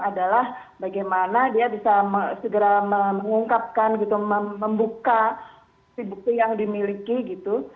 adalah bagaimana dia bisa segera mengungkapkan gitu membuka si bukti yang dimiliki gitu